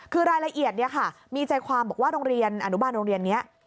คือรายละเอียดเนี่ยค่ะมีใจความบอกว่าโรงเรียนอนุบาลโรงเรียนนี้